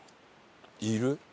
いる？